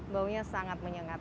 baunya sangat menyengat